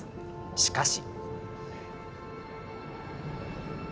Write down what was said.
しかし。